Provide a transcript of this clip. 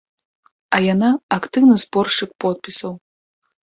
А яна актыўны зборшчык подпісаў.